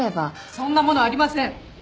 そんなものありません！